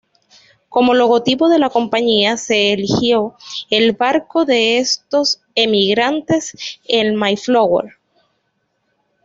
Como logotipo de la compañía se eligió el barco de estos emigrantes, el Mayflower.